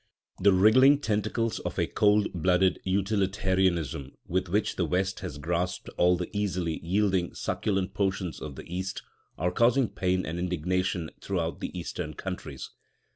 The wriggling tentacles of a cold blooded utilitarianism, with which the West has grasped all the easily yielding succulent portions of the East, are causing pain and indignation throughout the Eastern countries.